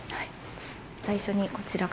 最初にこちらから。